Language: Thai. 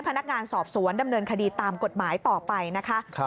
เพราะว่าผมโดนโดนของมนต์ดำใส่ตัวผม